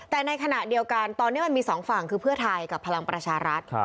แต่ในขณะเดียวกันตอนนี้มันมี๒ฝั่งคือเพื่อไทยกับพลังประชารัฐ